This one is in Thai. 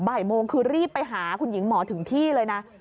บ่ายโมงคือรีบไปหาคุณหญิงหมอถึงที่เลยนะ